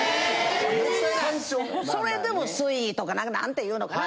それでも水位とかなんていうのかな。